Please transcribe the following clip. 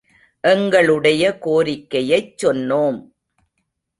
எங்களுடைய கோரிக்கையைச் சொன்னோம்.